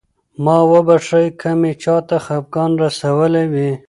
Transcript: ما وبښئ که مې چاته خفګان رسولی وي.